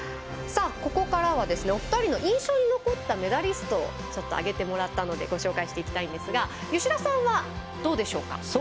ここからはお二人の印象に残ったメダリストを挙げてもらったのでご紹介していきたいんですが吉田さんはどうでしょうか？